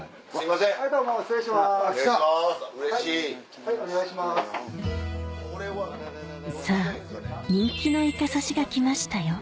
さぁ人気のイカ刺しが来ましたよ